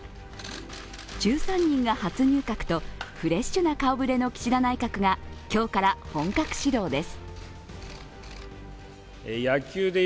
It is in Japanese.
１３人が初入閣とフレッシュな顔ぶれの岸田内閣が今日から本格始動です。